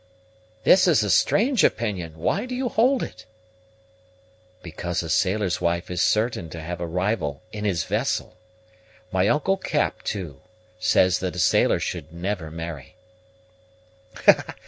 "This is a strange opinion; why do you hold it?" "Because a sailor's wife is certain to have a rival in his vessel. My uncle Cap, too, says that a sailor should never marry."